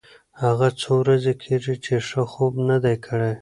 هغه څو ورځې کېږي چې ښه خوب نه دی کړی.